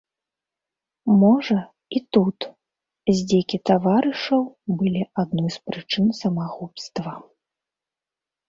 Можа, і тут здзекі таварышаў былі адной з прычын самагубства?